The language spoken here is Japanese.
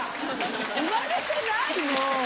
生まれてないもう！